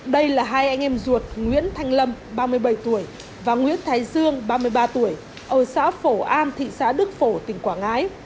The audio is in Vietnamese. đây là hai anh em ruột nguyễn thanh lâm ba mươi bảy tuổi và nguyễn thái dương ba mươi ba tuổi ở xã phổ an thị xã đức phổ tỉnh quảng ngãi